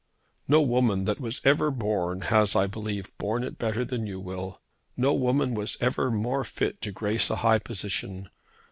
"No woman that was ever born has, I believe, borne it better than you will. No woman was ever more fit to grace a high position.